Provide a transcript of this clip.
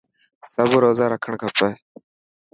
سب روزا رکڻ کپي.